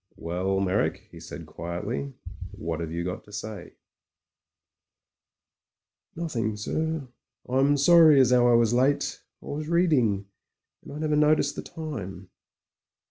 "Well, Meyrick," he said quietly, "what have you got to say ?" 54 MEN, WOMEN AND GUNS "Nothing, sir. I'm sorry as 'ow I was late. I was reading, and I never noticed the time."